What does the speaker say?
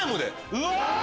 うわ！